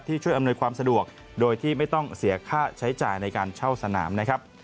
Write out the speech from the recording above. ช่วยอำนวยความสะดวกโดยที่ไม่ต้องเสียค่าใช้จ่ายในการเช่าสนามนะครับ